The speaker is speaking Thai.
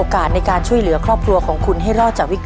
ขอบคุณครับ